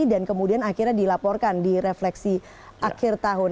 dan kemudian akhirnya dilaporkan di refleksi akhir tahun